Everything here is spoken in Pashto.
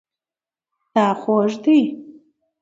دا خوږ دی